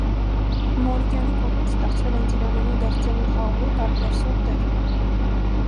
Մորիկյանի կողմից ստեղծվել են ծիրանենու, դեղձենու, խաղողի տարբեր նոր սորտեր։